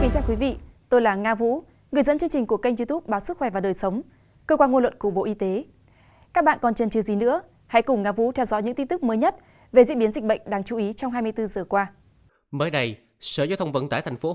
các bạn hãy đăng ký kênh để ủng hộ kênh của chúng mình nhé